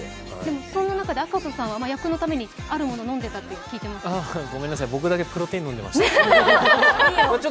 そんな中で赤楚さんは役のためにあるものを飲んでたというごめんなさい、僕だけプロテイン飲んでました。